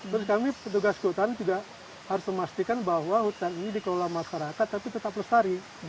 terus kami petugas kehutanan juga harus memastikan bahwa hutan ini dikelola masyarakat tapi tetap lestari